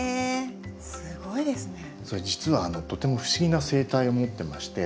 実はとても不思議な生態を持ってまして。